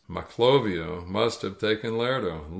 Maclovio must have taken Lerdo!